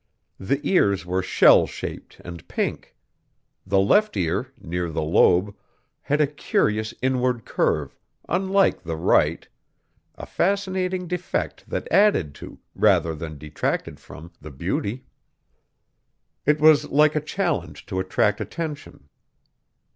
The ears were shell shaped and pink. The left ear, near the lobe, had a curious inward curve, unlike the right a fascinating defect that added to, rather than detracted from, the beauty. It was like a challenge to attract attention.